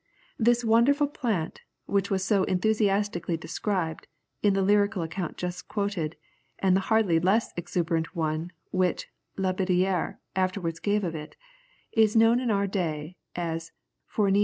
This wonderful plant, which was so enthusiastically described, in the lyrical account just quoted, and in the hardly less exuberant one which La Billadière afterwards gave of it, is known in our day as phornium tenax.